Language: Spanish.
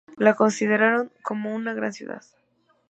La consideraron como una gran ciudad.